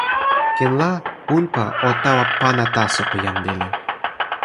kin la, unpa o tawa pana taso pi jan lili.